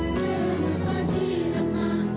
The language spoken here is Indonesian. selamat pagi emak